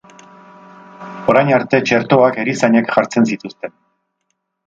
Orain arte txertoak erizainek jartzen zituzten.